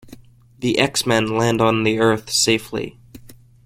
The X-Men land on the Earth safely.